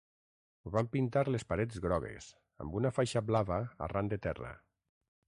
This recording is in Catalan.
Van pintar les parets grogues, amb una faixa blava arran de terra.